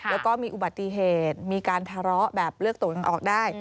แล้วก็มีอุบัติเหตุมีการทะเลาะแบบเลือกตัวยังออกได้